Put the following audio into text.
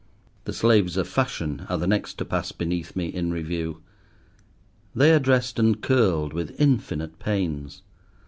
The slaves of fashion are the next to pass beneath me in review. They are dressed and curled with infinite pains.